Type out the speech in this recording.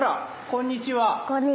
こんにちは。